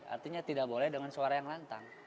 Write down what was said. artinya tidak boleh dengan suara yang lantang